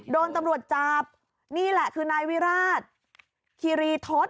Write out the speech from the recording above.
โดนตำรวจจับนี่แหละคือนายวิราชคีรีทศ